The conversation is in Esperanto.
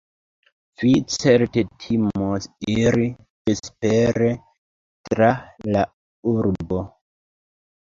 Vi certe timos iri vespere tra la urbo.